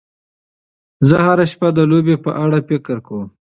زه هره شپه د لوبې په اړه فکر کوم.